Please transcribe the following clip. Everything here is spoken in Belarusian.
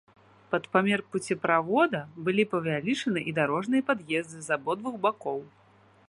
Пад памер пуцеправода былі павялічаны і дарожныя пад'езды з абодвух бакоў.